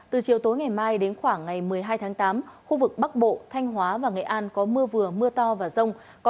từ chiều tối ngày mai đến khoảng ngày một mươi hai tháng tám khu vực bắc bộ thanh hóa và nghệ an có mưa vừa mưa to và rông